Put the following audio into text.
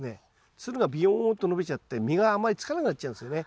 つるがびよんと伸びちゃって実があまりつかなくなっちゃうんですよね。